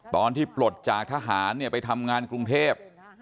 ตอนที่ปลดจากทหารไปทำงานกรุงเทพฯ